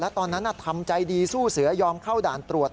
ตอนนั้นทำใจดีสู้เสือยอมเข้าด่านตรวจ